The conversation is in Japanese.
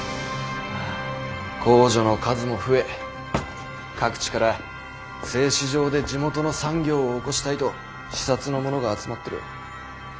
工女の数も増え各地から製糸場で地元の産業を興したいと視察の者が集まってる。